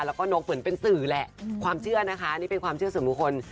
แล้วก็นกเหมือนเป็นสื่อแหละความเชื่อนะคะนี่เป็นความเชื่อส่วนบุคคล